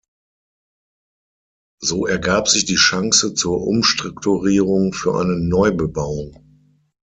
So ergab sich die Chance zur Umstrukturierung für eine Neubebauung.